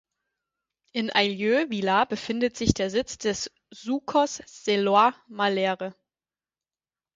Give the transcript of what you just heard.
In Aileu Vila befindet sich der Sitz des Sucos Seloi Malere.